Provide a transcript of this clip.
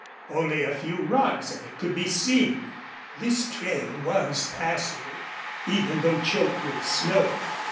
Only a few rods of it could be seen. This trail was passable, even though choked with snow.